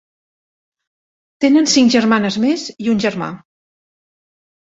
Tenen cinc germanes més i un germà.